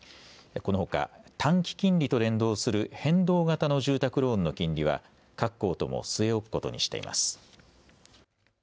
このほか短期金利と連動する変動型の住宅ローンの金利は各行とも据え置くことにしています。